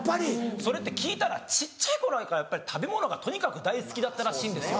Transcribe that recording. それって聞いたら小っちゃい頃からやっぱり食べ物がとにかく大好きだったらしいんですよ。